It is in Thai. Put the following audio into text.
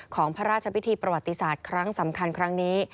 พระราชพิธีประวัติศาสตร์ครั้งสำคัญครั้งนี้